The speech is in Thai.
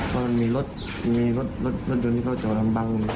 เพราะมันมีรถมีรถยนต์ที่เขาจอดลำบัง